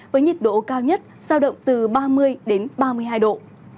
với nhiệt độ cao nhất sao động từ ba mươi đến ba mươi hai độ